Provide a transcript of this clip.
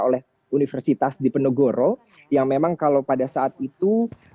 oleh universitas dipenegoro yang memang kalau pada saat itu